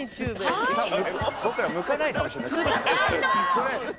それ。